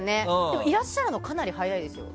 でも、いらっしゃるのかなり早いですよ。